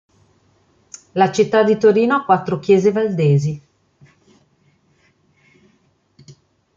La città di Torino ha quattro Chiese valdesi.